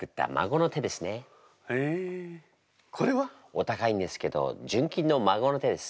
お高いんですけど純金の孫の手です。